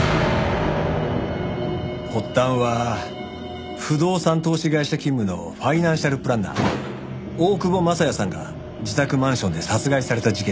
発端は不動産投資会社勤務のファイナンシャルプランナー大久保雅也さんが自宅マンションで殺害された事件です。